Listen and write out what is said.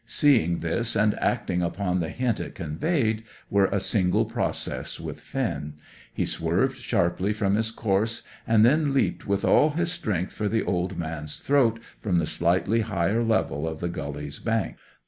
Seeing this, and acting upon the hint it conveyed, were a single process with Finn. He swerved sharply from his course, and then leaped with all his strength for the old man's throat from the slightly higher level of the gully's bank.